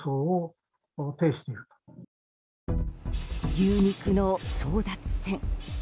牛肉の争奪戦。